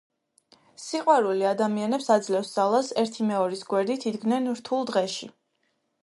სიყვარული ადამიანებს აძლევს ძალას, ერთიმეორის გვერდით იდგნენ რთულ დღეში.